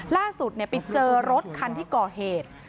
ล่าสุดไปเจอรถคันที่ก่อเหตุ